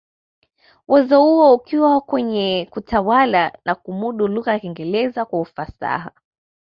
Uwezo huo ukiwa kwenye kutawala na kumudu lugha ya Kiingereza kwa ufasaha